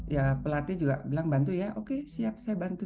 ya pelatih juga bilang bantu ya oke siap saya bantu